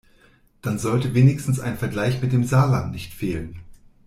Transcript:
Dann sollte wenigstens ein Vergleich mit dem Saarland nicht fehlen.